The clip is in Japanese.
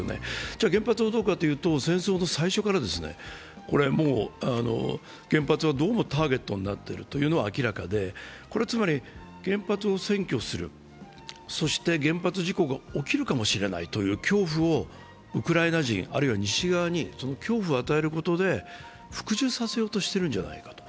では原発はどうかというと戦争の最初から、原発はどうもターゲットになってるのは明らかで、つまり、原発を占拠する、そして原発事故が起きるかもしれないという恐怖をウクライナ人あるいは西側に恐怖を与えることで服従させようとしているんじゃないかと。